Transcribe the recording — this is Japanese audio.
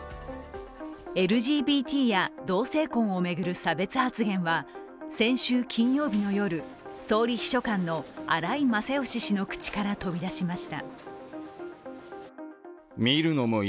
ＬＧＢＴや同性婚を巡る差別発言は先週金曜日の夜総理秘書官の荒井勝喜氏の口から飛び出しました。